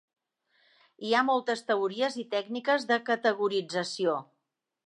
Hi ha moltes teories i tècniques de categorització.